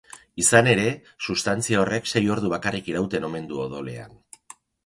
Izan ere, sustantzia horrek sei ordu bakarrik irauten omen du odolean.